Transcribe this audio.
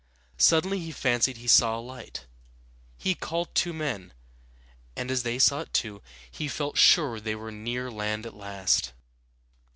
Suddenly he fancied he saw a light. He called two men, and as they saw it too, he felt sure they were near land at last.